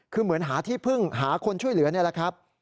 คือเหมือนหาที่พึ่งหาคนช่วยเหลือนี่แหละครับ